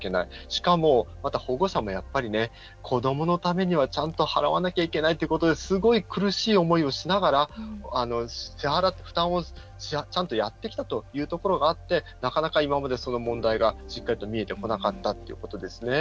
しかも、また保護者もやっぱり子どものためにはちゃんと払わなきゃいけないということですごい苦しい思いをしながら負担をちゃんとやってきたというところがあってなかなか今まで、その問題がしっかりと見えてこなかったということですね。